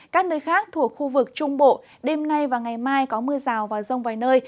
các nơi khác thuộc khu vực trung bộ đêm nay và ngày mai có mưa rào và rông vài nơi